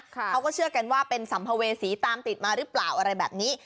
เขาก็เชื่อกันว่าเป็นสัมภเวษีตามติดมาหรือเปล่าอะไรแบบนี้